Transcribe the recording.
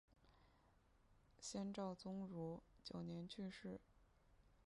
先赵宗儒九年去世。